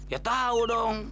ya tahu dong